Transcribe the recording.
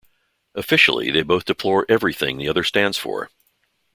Officially, they both deplore everything the other stands for.